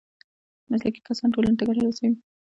مسلکي کسان ټولنې ته ګټه رسوي